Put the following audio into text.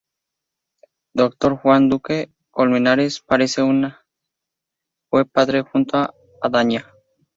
D. Juan Duque Colmenares parece fue padre junto a Dña.